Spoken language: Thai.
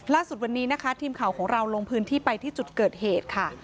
ล่าสุดวันนี้นะคะทีมข่าวของเราลงพื้นที่ไปที่จุดเกิดเหตุค่ะ